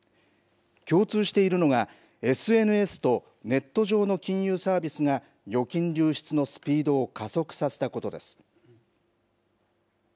共通しているのが、ＳＮＳとネット上の金融サービスが、預金流出のスピードを加速させたことです。